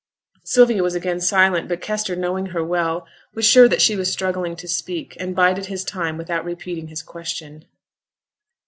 Sylvia was again silent; but Kester, knowing her well, was sure that she was struggling to speak, and bided his time without repeating his question.